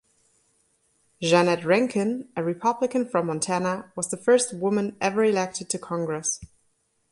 Jeannette Rankin, a Republican from Montana was the first woman ever elected to congress.